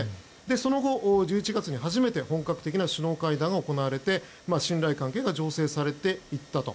その後、１１月に初めて本格的な首脳会談が行われて信頼関係が醸成されていったと。